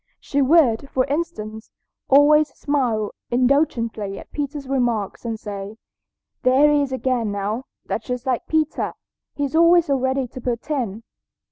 She would, for instance, always smile indulgently at Peter's remarks and say, "There he is again, now; that's just like Peter. He's always so ready to put in."